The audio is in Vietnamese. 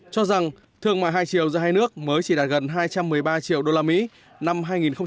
cho rằng thương mại hai triệu giữa hai nước mới chỉ đạt gần hai trăm một mươi ba triệu usd năm hai nghìn một mươi tám